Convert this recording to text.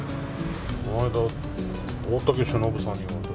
この間大竹しのぶさんに言われた。